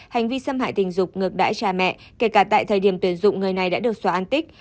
hành vi xâm hại tình dục ngược đại trà mẹ kể cả tại thời điểm tuyển dụng người này đã được xóa an tích